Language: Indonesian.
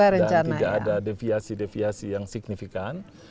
dan tidak ada deviasi deviasi yang signifikan